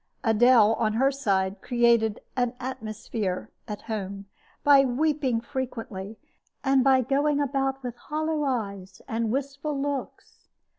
Adele, on her side, created "an atmosphere" at home by weeping frequently, and by going about with hollow eyes and wistful looks.